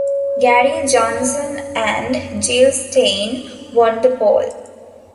Gary Johnson and Jill Stein won the poll.